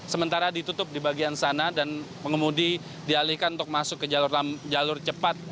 sementara ditutup di bagian sana dan pengemudi dialihkan untuk masuk ke jalur cepat